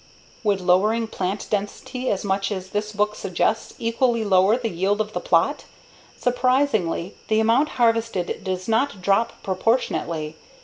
_Would lowering plant density as much as this book suggests equally lower the yield of the plot? Surprisingly, the amount harvested does not drop proportionately.